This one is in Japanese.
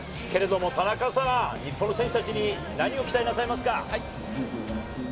田中さん、日本の選手たちに何を期待されますか？